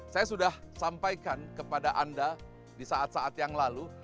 saya sudah sampaikan kepada anda di saat saat yang lalu